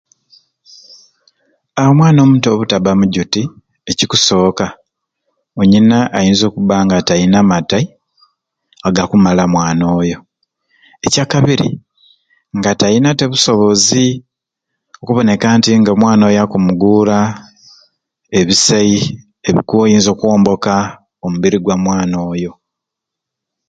Omwana omuto obutaba muguti ekikusooka onyina ayinza okuba nga tayina matei agakumala mwana oyo ekyakabiri nga tayina te busobozi okuboneka nti omwanoa oyo akumugura ebisai ebikuwa ebiyinza okwomboka omubiri gwa mwana oyo